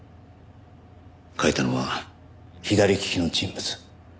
書いたのは左利きの人物。